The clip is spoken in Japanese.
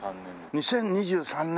２０２３年。